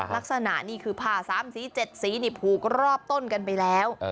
ลักษณะนี่คือผ้า๓สี๗สีนี่ผูกรอบต้นกันไปแล้ว